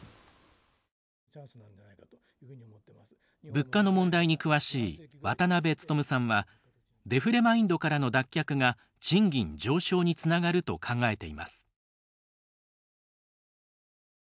物価の問題に詳しい渡辺努さんはデフレマインドからの脱却が賃金上昇につながると考えています。